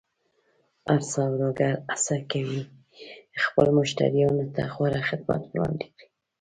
هر سوداګر هڅه کوي خپلو مشتریانو ته غوره خدمت وړاندې کړي.